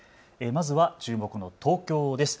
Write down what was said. まずは注目の東京です。